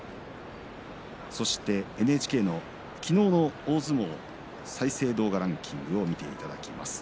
そしてＮＨＫの昨日の大相撲再生動画ランキングを見ていただきます。